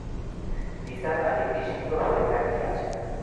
নিসার আলি বিস্মিত হয়ে তাকিয়ে আছেন।